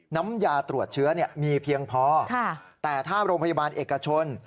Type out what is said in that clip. น้ำยาตรวจเชื้อมีเพียงพอแต่ถ้าโรงพยาบาลเอกชน